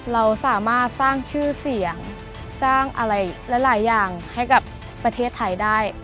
เราสามารถสร้างชื่อเสียงสร้างอะไรหลายอย่างให้กับประเทศไทยได้